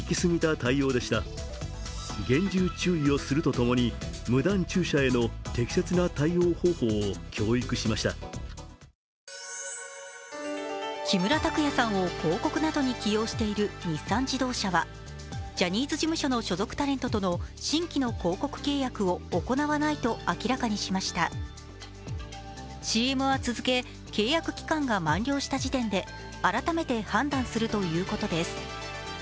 今回の対応について、すき家は木村拓哉さんを広告などに起用している日産自動車はジャニーズ事務所の所属タレントとの新規の広報契約を行わないと明らかにしましたＣＭは続け、契約期間が満了した時点で改めて判断するということです。